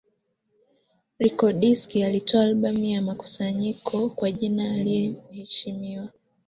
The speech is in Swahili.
Rykodisc alitoa albamu ya mkusanyiko kwa jina Aliye heshimiwa